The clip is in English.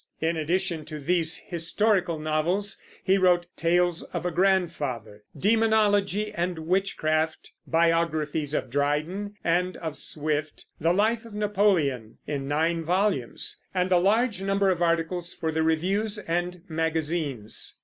In addition to these historical novels, he wrote Tales of a Grandfather, Demonology and Witchcraft, biographies of Dryden and of Swift, the Life of Napoleon, in nine volumes, and a large number of articles for the reviews and magazines.